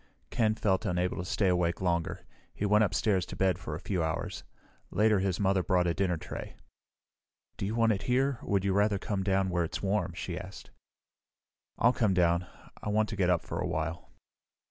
Ken felt unable to stay awake longer. He went upstairs to bed for a few hours. Later, his mother brought a dinner tray. "Do you want it here, or would you rather come down where it's warm?" she asked. "I'll come down. I want to get up for a while."